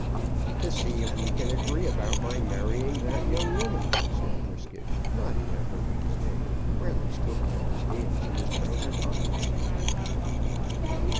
"To see if we can agree about my marrying that young woman," said Brisket, nodding at her with his head, while he still kept his hands in his trousers' pockets.